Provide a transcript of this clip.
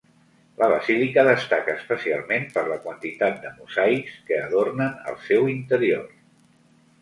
La basílica destaca especialment per la quantitat de mosaics que adornen el seu interior.